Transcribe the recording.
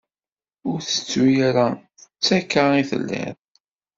Ur tettu ara d takka i telliḍ.